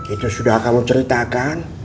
itu sudah kamu ceritakan